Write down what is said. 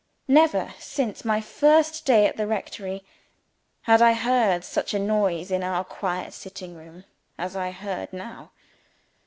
Never, since my first day at the rectory, had I heard such a noise in our quiet sitting room as I heard now.